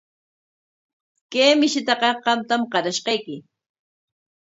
Kay mishitaqa qamtam qarashqayki.